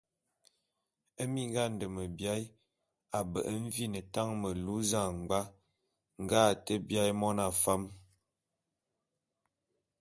Minga a ndôme biaé a mbe’e mvin tañ melu zañbwa nge a te biaé mona fam.